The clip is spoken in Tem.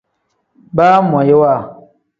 Baamoyiwa.